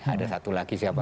ada satu lagi siapa